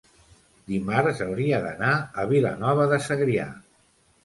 dimarts hauria d'anar a Vilanova de Segrià.